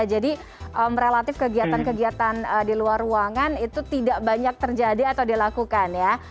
jadi relatif kegiatan kegiatan di luar ruangan itu tidak banyak terjadi atau dilakukan ya